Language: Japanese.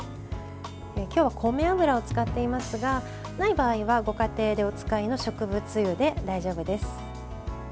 今日は米油を使っていますがない場合はご家庭でお使いの植物油で大丈夫です。